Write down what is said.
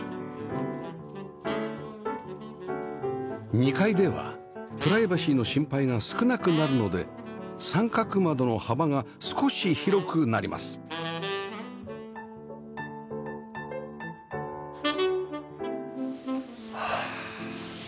２階ではプライバシーの心配が少なくなるので３角窓の幅が少し広くなりますはあ。